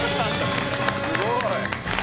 すごい！